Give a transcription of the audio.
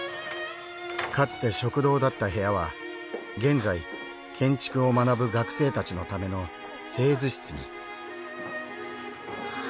かつて食堂だった部屋は現在建築を学ぶ学生たちのための製図室に。